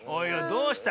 どうした？